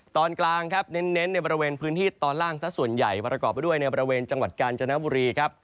ตอนกลางครับเน้นในบริเวณพื้นที่ตอนล่างซะส่วนใหญ่ประกอบไปด้วยในบริเวณจังหวัดกาญจนบุรีครับ